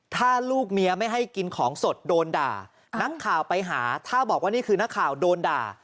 ถ้าลูกเมียไม่ให้กินของสดโดนด่านักข่าวไปหาถ้าบอกว่านี่คือนักข่าวโดนด่า